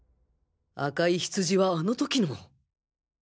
赤いヒツジはあのときの